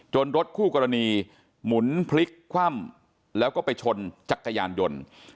รถคู่กรณีหมุนพลิกคว่ำแล้วก็ไปชนจักรยานยนต์